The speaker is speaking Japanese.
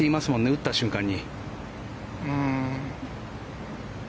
打った瞬間に。